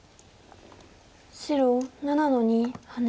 白７の二ハネ。